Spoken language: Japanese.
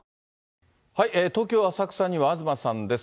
東京・浅草には東さんです。